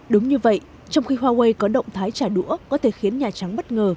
đúng như vậy trong khi huawei có động thái trả đũa có thể khiến nhà trắng bất ngờ